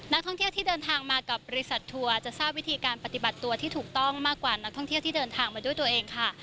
นักท่องเที่ยวที่เดินทางมากับบริษัททัวร์จะทราบวิธีการปฏิบัติตัวที่ถูกต้องมากกว่านักท่องเที่ยวที่เดินทางมาด้วยตัวเองค่ะ